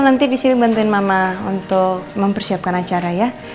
mir nanti disini bantuin mama untuk mempersiapkan acara ya